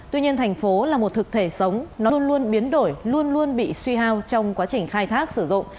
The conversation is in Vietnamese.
tuy nhiên thành phố là một thực thể sống nó luôn luôn biến đổi luôn luôn bị suy hao trong quá trình khai thác sử dụng